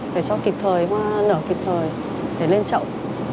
để cho kịp thời hoa nở kịp thời để lên chậu